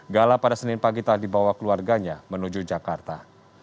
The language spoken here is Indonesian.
gala pada senin pagi telah dibawa keluarganya menuju jakarta